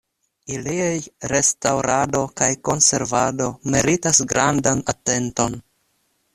Iliaj restaŭrado kaj konservado meritas grandan atenton.